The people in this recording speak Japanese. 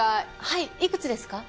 はいいくつですか？